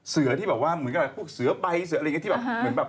เสือที่แบบว่าเหมือนกับพวกเสือใบเสืออะไรอย่างนี้ที่แบบเหมือนแบบ